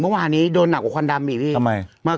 เมื่อวานนี้โดนหนักกว่าควันดำอีกพี่ทำไม